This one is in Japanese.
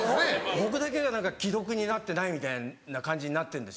僕だけが既読になってないみたいな感じになってんですよね。